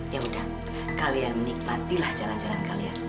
yaudah kalian menikmatilah jalan jalan kalian